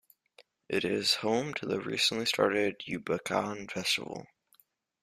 It is home to the recently started Yubakan Festival.